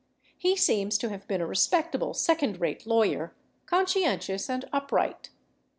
He seems to have been a respectable second rate lawyer, conscientious and upright.